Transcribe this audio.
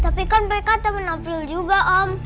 tapi kan mereka temen april juga om